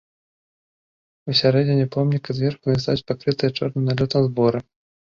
Усярэдзіне помніка зверху навісаюць пакрытыя чорным налётам зборы.